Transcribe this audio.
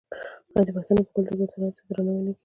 آیا د پښتنو په کلتور کې انسانیت ته درناوی نه کیږي؟